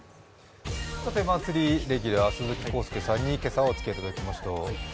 マンスリーレギュラー、鈴木浩介さんに今朝はおつきあいいただきました。